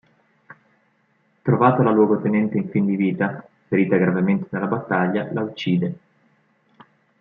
Trovata la luogotenente in fin di vita, ferita gravemente nella battaglia, la uccide.